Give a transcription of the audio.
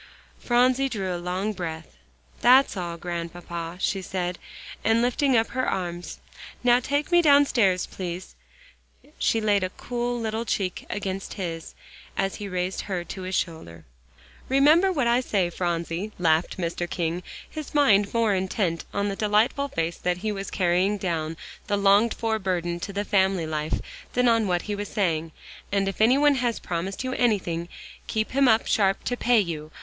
Phronsie drew a long breath. "That's all, Grandpapa," she said, and lifting up her arms; "now take me downstairs, please." She laid a cool little cheek against his, as he raised her to his shoulder. "Remember what I say, Phronsie," laughed Mr. King, his mind more intent on the delightful fact that he was carrying down the longed for burden to the family life, than on what he was saying, "and if any one has promised you anything, keep him up sharp to pay you.